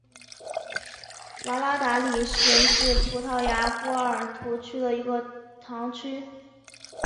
瓦拉达里什是葡萄牙波尔图区的一个堂区。